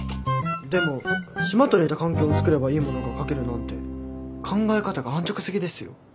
でも島と似た環境をつくればいいものが書けるなんて考え方が安直すぎですよ。